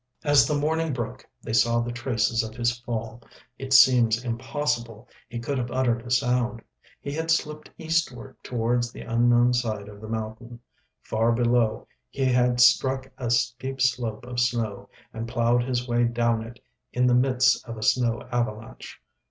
As the morning broke they saw the traces of his fall. It seems impossible he could have uttered a sound. He had slipped eastward towards the unknown side of the mountain; far below he had struck a steep slope of snow, and ploughed his way down it in the midst of a snow avalanche.